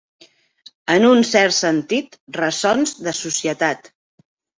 En un cert sentit, ressons de societat.